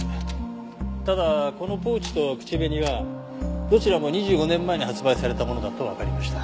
ただこのポーチと口紅はどちらも２５年前に発売されたものだとわかりました。